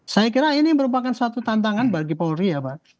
saya kira ini merupakan suatu tantangan bagi polri ya pak